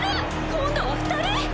・今度は２人？